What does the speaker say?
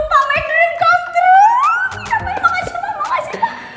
makasih pak makasih pak